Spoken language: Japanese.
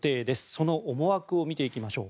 その思惑を見ていきましょう。